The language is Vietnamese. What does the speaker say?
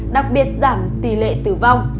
đặc biệt giảm biến thể của các nước